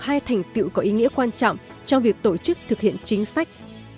hai thành tựu có ý nghĩa quan trọng trong việc tổ chức thực hiện chính sách